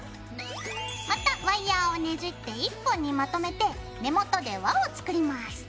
またワイヤーをねじって１本にまとめて根元で輪を作ります。